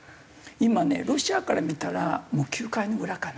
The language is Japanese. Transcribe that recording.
今ねロシアから見たらもう９回の裏かな。